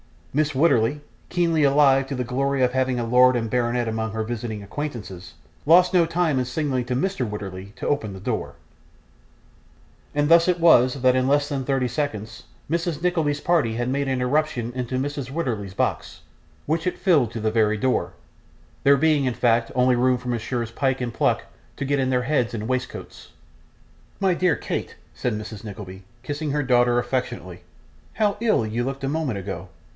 Mrs. Wititterly, keenly alive to the glory of having a lord and a baronet among her visiting acquaintance, lost no time in signing to Mr. Wititterly to open the door, and thus it was that in less than thirty seconds Mrs. Nickleby's party had made an irruption into Mrs. Wititterly's box, which it filled to the very door, there being in fact only room for Messrs Pyke and Pluck to get in their heads and waistcoats. 'My dear Kate,' said Mrs. Nickleby, kissing her daughter affectionately. 'How ill you looked a moment ago!